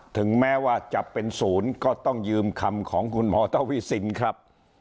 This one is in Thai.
ถึงแม้ว่าจะเป็นศูนย์ก็ต้องยืมคำของคุณหมอทวิสินครับ